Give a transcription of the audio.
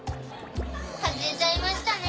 外れちゃいましたね。